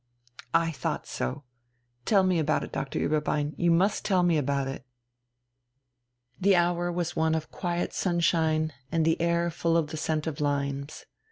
"I thought so! Tell me about it, Doctor Ueberbein. You must tell me about it!" The hour was one of quiet sunshine, and the air full of the scent of limes.